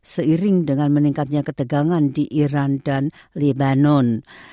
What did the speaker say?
seiring dengan meningkatnya ketegangan di iran dan lebanon